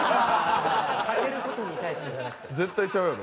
あげる事に対してじゃなくて。絶対ちゃうやろ。